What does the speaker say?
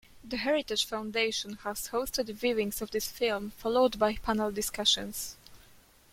The Heritage Foundation has hosted viewings of this film, followed by panel discussions.